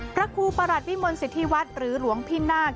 พระคูตรประหลัดวิมวลสินทรีย์วัดหรือหลวงพี่นาค